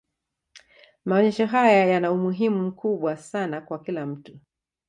maonyesho haya yana umuhimu mkubwa sana kwa kila mtu